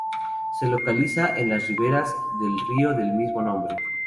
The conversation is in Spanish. Se localiza en las riveras del río del mismo nombre.